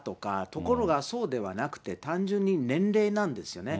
ところがそうではなくて、単純に年齢なんですよね。